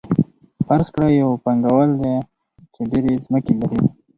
فرض کړئ یو پانګوال دی چې ډېرې ځمکې لري